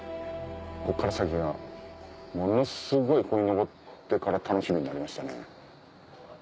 こっから先がものすごいここに上ってから楽しみになりましたね。